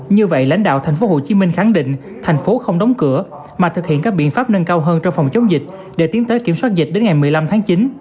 như vậy lãnh đạo thành phố hồ chí minh khẳng định thành phố không đóng cửa mà thực hiện các biện pháp nâng cao hơn cho phòng chống dịch để tiến tới kiểm soát dịch đến ngày một mươi năm tháng chín